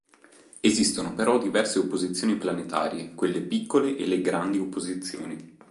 Esistono però diverse opposizioni planetarie, quelle "piccole" e le "grandi" opposizioni.